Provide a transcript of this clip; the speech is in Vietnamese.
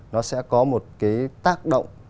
nó sẽ có một cái tác động